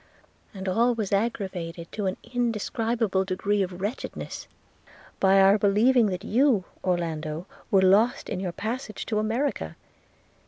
and all was aggravated to an indescribable degree of wretchedness, by our believing that you, Orlando, were lost in your passage to America!